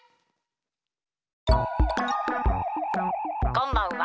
こんばんは。